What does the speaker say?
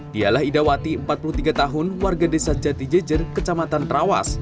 dialah ida wati empat puluh tiga tahun warga desa jatijajer kecamatan rawas